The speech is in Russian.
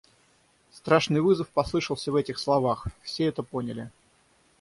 Страшный вызов послышался в этих словах, все это поняли.